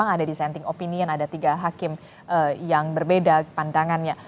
ada dissenting opinion ada tiga hakim yang berbeda pandangannya